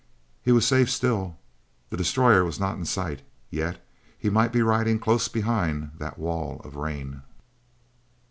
He was safe still; the destroyer was not in sight; yet he might be riding close behind that wall of rain.